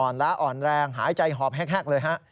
อ่อนละอ่อนแรงหายใจหอบแฮ็กเลยฮะ